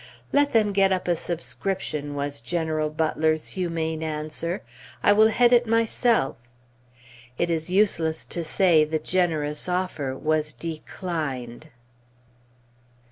"Let them get up a subscription," was General Butler's humane answer. "I will head it myself." It is useless to say the generous offer was declined.